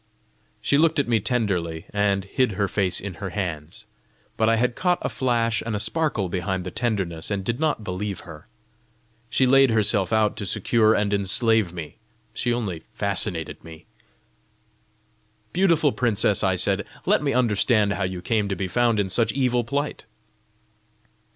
She looked at me tenderly, and hid her face in her hands. But I had caught a flash and a sparkle behind the tenderness, and did not believe her. She laid herself out to secure and enslave me; she only fascinated me! "Beautiful princess," I said, "let me understand how you came to be found in such evil plight."